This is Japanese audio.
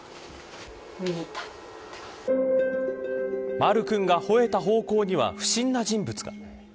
マル君が吠えた方向には不審な人物が。